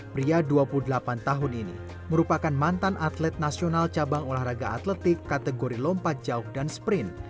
pria dua puluh delapan tahun ini merupakan mantan atlet nasional cabang olahraga atletik kategori lompat jauh dan sprint